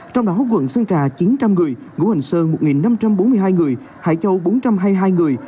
trong đó quận sơn trà chín trăm linh người ngũ hành sơn một năm trăm bốn mươi hai người